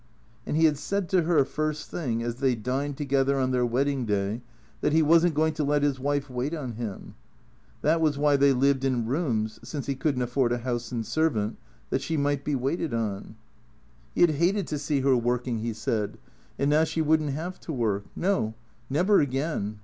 And he had said to her, first thing, as they dined together on their wedding day, that he was n't going to let his wife wait on him. That was why they lived in rooms (since he could n't afford a house and servant), that she might be waited on. He 128 THE CREATORS had hated to see her working, he said; and now she wouldn't have to work. No, never again.